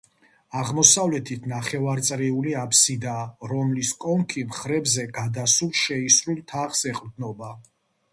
აღმოსავლეთით ნახევარწრიული აბსიდაა, რომლის კონქი მხრებზე გადასულ შეისრულ თაღს ეყრდნობა.